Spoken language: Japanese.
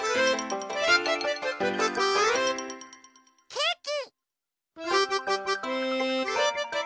ケーキ！